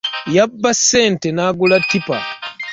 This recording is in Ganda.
Yabba ssente n'agula ttipa.